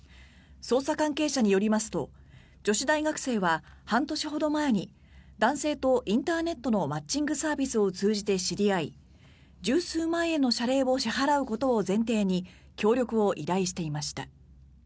捜査関係者によりますと女子大学生は半年ほど前に男性とインターネットのマッチングサービスを通じて知り合い１０数万円の謝礼を支払うことを前提に協力を依頼していました。